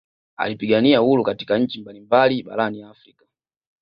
Alipigania uhuru katika nchi mbali mbali barani Afrika